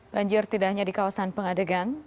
banjir tidak hanya di kawasan pengadegan